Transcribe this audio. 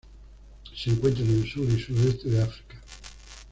Se encuentran en el sur y sudoeste de África.